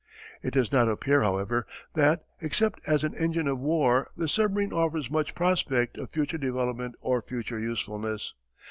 _] It does not appear, however, that, except as an engine of war the submarine offers much prospect of future development or future usefulness.